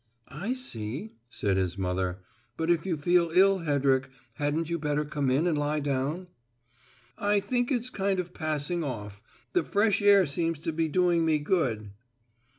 "I see," said his mother. "But if you feel ill, Hedrick, hadn't you better come in and lie down?" "I think it's kind of passing off. The fresh air seems to be doing me good."